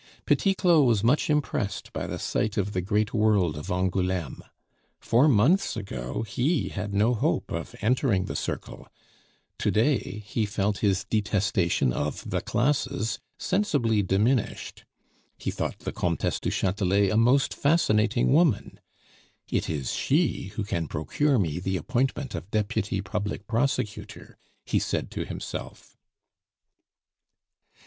Petit Claud was much impressed by the sight of the great world of Angouleme. Four months ago he had no hope of entering the circle, to day he felt his detestation of "the classes" sensibly diminished. He thought the Comtesse du Chatelet a most fascinating woman. "It is she who can procure me the appointment of deputy public prosecutor," he said to himself.